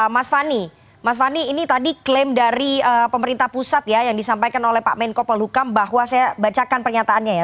mas fani mas fani ini tadi klaim dari pemerintah pusat ya yang disampaikan oleh pak menko polhukam bahwa saya bacakan pernyataannya ya